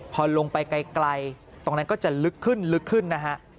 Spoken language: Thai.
พอลงไปไกลตรงนั้นก็จะลึกขึ้นลึกขึ้นนะฮะ